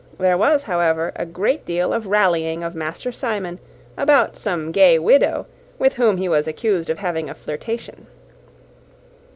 There was, however, a great deal of rallying of Master Simon about some gay widow, with whom he was accused of having a flirtation.